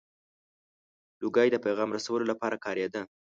• لوګی د پیغام رسولو لپاره کارېده.